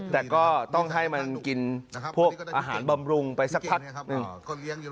แต่ก็ต้องให้มันกินพวกอาหารบำรุงไปสักพักหนึ่ง